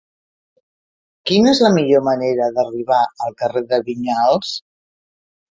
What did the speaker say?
Quina és la millor manera d'arribar al carrer de Vinyals?